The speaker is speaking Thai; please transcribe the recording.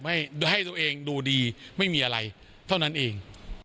ให้ตัวเองดูดีไม่มีอะไรเท่านั้นเอง